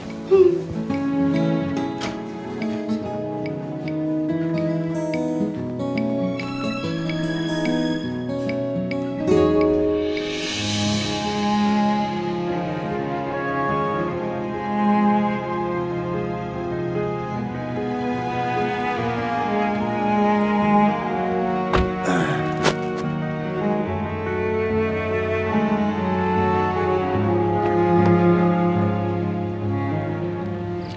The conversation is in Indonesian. ya kita ajak deh